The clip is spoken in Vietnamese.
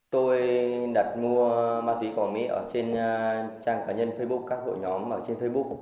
tôi đặt mua ma túy cỏng mỹ ở trên trang cá nhân facebook các hội nhóm ở trên facebook